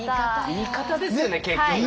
言い方ですよね結局ね。